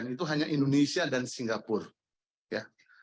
itu hanya indonesia dan singapura ya